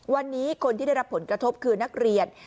วันนี้คนที่ได้รับผลกระทบคือนักเรียน